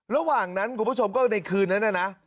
ระหว่างนั้นคุณผู้ชมก็ในคืนนั้นน่ะนะ